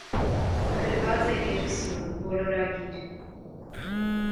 Գրված է երկսյուն, բոլորագիր։